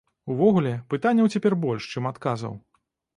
Увогуле, пытанняў цяпер больш, чым адказаў.